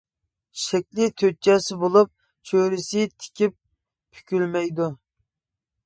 شەكلى تۆت چاسا بولۇپ، چۆرىسى تىكىپ پۈكۈلمەيدۇ.